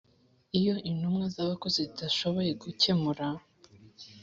Iyo intumwa z abakozi zidashoboye gukemura